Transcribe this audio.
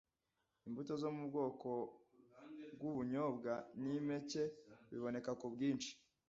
imbuto zo mu bwoko bw'ubunyobwa n'impeke biboneka ku bwinshi